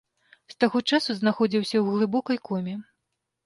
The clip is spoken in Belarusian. З таго часу знаходзіўся ў глыбокай коме.